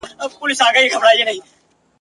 د کور غل د لستوڼي مار وي ..